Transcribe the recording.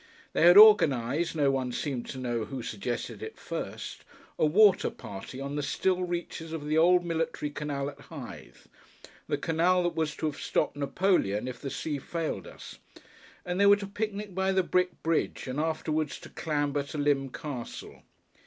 They had organized no one seemed to know who suggested it first a water party on the still reaches of the old military canal at Hythe, the canal that was to have stopped Napoleon if the sea failed us, and they were to picnic by the brick bridge, and afterwards to clamber to Lympne Castle.